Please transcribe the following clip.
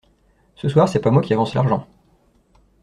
Ce soir c'est pas moi qui avance l'argent.